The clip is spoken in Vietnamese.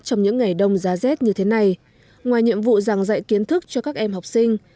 trong những ngày đông giá rét như thế này ngoài nhiệm vụ giảng dạy kiến thức cho các em học sinh